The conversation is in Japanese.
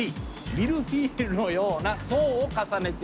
ミルフィーユのような層を重ねている。